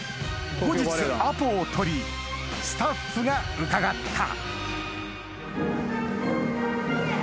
後日アポを取りスタッフが伺った